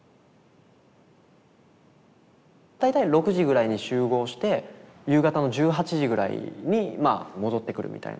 大体６時ぐらいに集合して夕方の１８時ぐらいに戻ってくるみたいな。